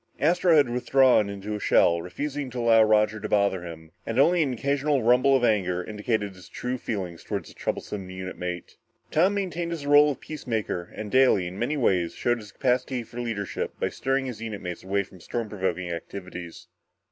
Astro had withdrawn into a shell, refusing to allow Roger to bother him and only an occasional rumble of anger indicated his true feelings toward his troublesome unit mate. Tom maintained his role of peacemaker and daily, in many ways, showed his capacity for leadership by steering his unit mates away from any storm provoking activities.